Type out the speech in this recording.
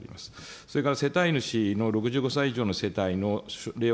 それから世帯主の６５歳以上の世帯の令和